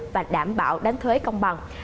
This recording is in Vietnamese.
và đảm bảo đánh thuế công bằng